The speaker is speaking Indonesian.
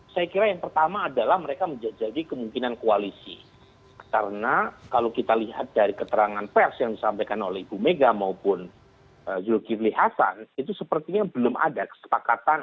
saya kira yang pertama adalah mereka menjajaki kemungkinan koalisi karena kalau kita lihat dari keterangan pers yang disampaikan oleh ibu mega maupun zulkifli hasan itu sepertinya belum ada kesepakatan